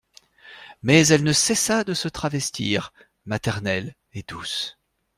Mais elle ne cessa de se travestir, maternelle et douce.